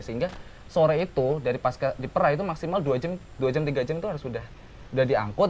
sehingga sore itu dari pas diperah itu maksimal dua jam tiga jam itu harus sudah diangkut